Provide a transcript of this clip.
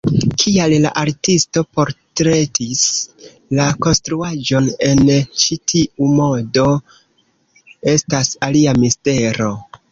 Kial la artisto portretis la konstruaĵon en ĉi tiu modo estas alia mistero.